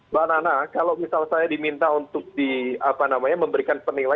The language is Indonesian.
pak nana kalau misalnya saya diminta untuk di apa namanya memberikan peningkatan